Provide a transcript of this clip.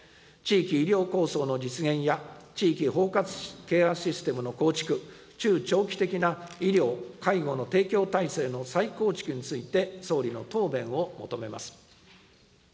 地域医療構想の実現や、地域包括ケアシステムの構築、中長期的な医療・介護の提供体制の再構築について総理の答弁を求めます。